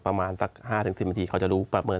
ประมาณสัก๕๑๐นาทีเขาจะรู้ประเมิน